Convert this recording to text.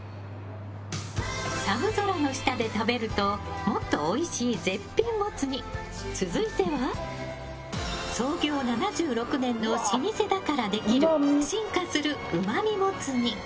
寒空の下で食べるともっとおいしい絶品モツ煮。続いては、創業７６年の老舗だからできる進化する、うまみモツ煮。